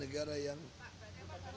pak berarti apa yang pas tadi